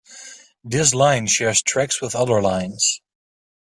This line shares tracks with other lines.